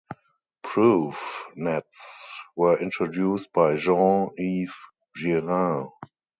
Proof nets were introduced by Jean-Yves Girard.